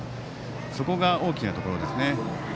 そこが大きなところですね。